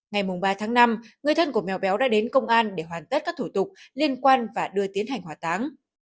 ngày ba tháng năm người thân của mèo béo đã đến công an để hoàn tất các thủ tục liên quan và đưa tiến hành hòa táng